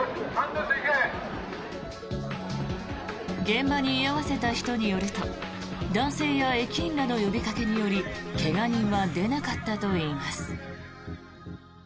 現場に居合わせた人によると男性や駅員らの呼びかけにより怪我人は出なかったといいます。